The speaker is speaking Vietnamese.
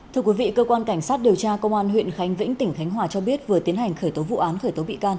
thưa quý vị cơ quan cảnh sát điều tra công an huyện khánh vĩnh tỉnh khánh hòa cho biết vừa tiến hành khởi tố vụ án khởi tố bị can